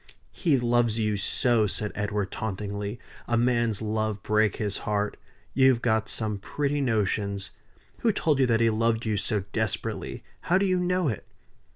"He loves you so!" said Edward, tauntingly. "A man's love break his heart! You've got some pretty notions! Who told you that he loved you so desperately? How do you know it?"